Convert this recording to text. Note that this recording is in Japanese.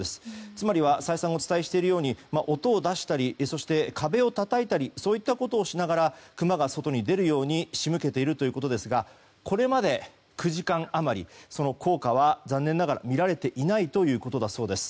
つまりは再三お伝えしているとおり音を出したり、壁をたたいたりそういったことをしながらクマが外に出るように仕向けているということですがこれまで、９時間余りその効果は残念ながら見られていないということだそうです。